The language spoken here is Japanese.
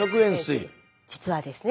実はですね